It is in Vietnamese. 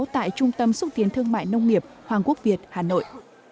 tại trung tâm xúc tiến thương mại nông nghiệp hoàng quốc việt hà nội